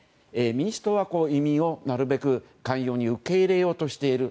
民主党は移民をなるべく寛容に受け入れようとしている。